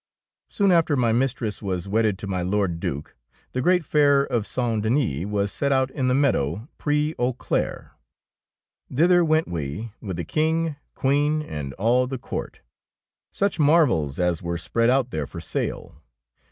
Soon after my mistress was wedded to my Lord Due, the great fair of St. Denis was set out in the meadow, " Prd aux Clercs." Thither went we with the 41 DEEDS OF DAEING King, Queen, and all the court. Such marvels as were spread out there for sale!